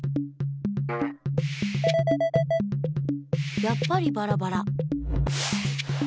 やっぱりバラバラ。